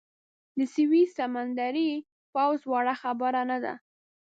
د سویس سمندري پوځ وړه خبره نه ده.